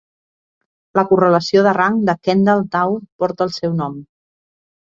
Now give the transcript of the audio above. La correlació de rang de Kendall tau porta el seu nom.